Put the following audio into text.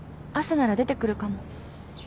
朝なら出てくるかも。